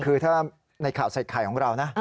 คือถ้าในข่าวใส่ไข่ของเรานะ